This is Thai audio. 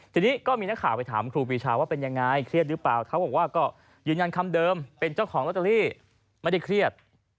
ทีนี้ก็มีนักข่าวไปถามครูปีชาว่าเป็นยังไงเครียดหรือเปล่าเขาบอกว่าก็ยืนยันคำเดิมเป็นเจ้าของลอตเตอรี่ไม่ได้เครียด